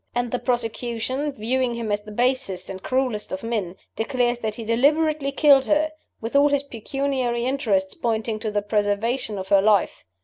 And the prosecution, viewing him as the basest and cruelest of men, declares that he deliberately killed her with all his pecuniary interests pointing to the preservation of her life!